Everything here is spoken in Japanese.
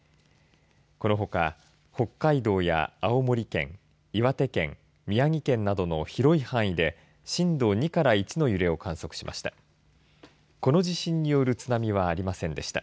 このほか北海道や青森県岩手県、宮城県などの広い範囲で震度２から１の揺れを観測しました。